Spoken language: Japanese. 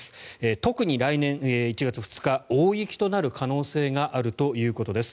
特に来年１月２日大雪となる可能性があるということです。